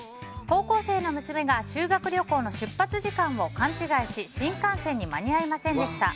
高校生の娘が修学旅行の出発時間を勘違いし新幹線に間に合いませんでした。